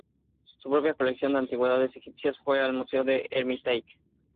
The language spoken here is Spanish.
Su propia colección de antigüedades egipcias fue al Museo del Hermitage.